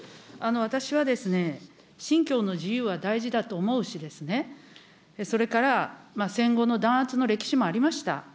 私はですね、信教の自由は大事だと思うしですね、それから戦後の弾圧の歴史もありました。